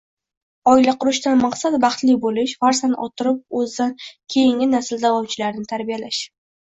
Oila qurishdan maqsad baxtli bo‘lish, farzand orttirib, o‘zidan keyingi nasl davomchilarini tarbiyalash.